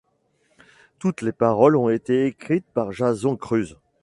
Toutes les paroles ont été écrites par Jason Cruz.